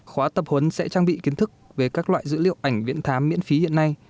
khóa tập huấn sẽ trang bị kiến thức về các loại dữ liệu ảnh viễn thám miễn phí hiện nay